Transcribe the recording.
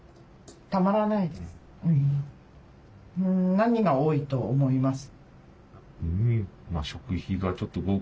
何が多いと思います？